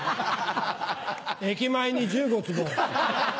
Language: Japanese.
駅前に１５坪。